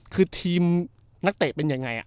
คือทีมนักเตะเป็นยังไง